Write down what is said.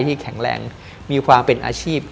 แข็งแรงมีความเป็นอาชีพ